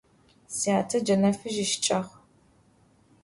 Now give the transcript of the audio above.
Syate cene fıj yişıç'ağ.